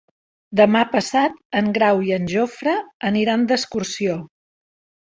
Demà passat en Grau i en Jofre aniran d'excursió.